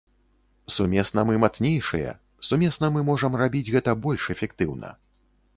Сумесна мы мацнейшыя, сумесна мы можам рабіць гэта больш эфектыўна.